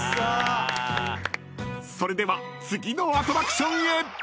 ［それでは次のアトラクションへ］